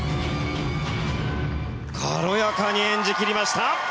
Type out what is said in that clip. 軽やかに演じ切りました。